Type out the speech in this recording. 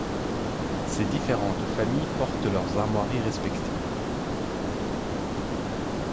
Ces différentes familles portent leurs armoiries respectives.